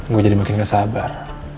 gue jadi makin gak sabar